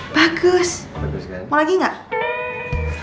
bagus kan mau lagi gak